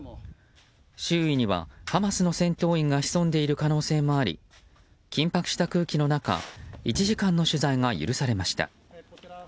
周囲にはハマスの戦闘員が潜んでいる可能性もあり緊迫した空気の中１時間の取材が許されました。